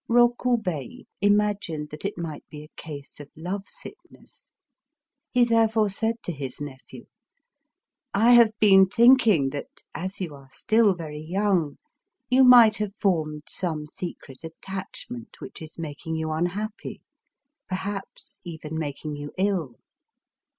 Rokubei imagined that it might be a case of lovesickness. He therefore said to his nephew: —" I have been thinking that, as you are still very young, you might have formed some secret attach ment which is making you unhappy, — perhaps even making you ill.